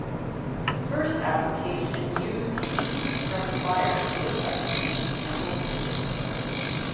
The first application used heat from a fire lit by the city's temple priest.